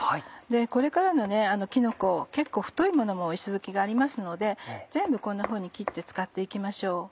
これからのキノコ結構太いものも石づきがありますので全部こんなふうに切って使って行きましょう。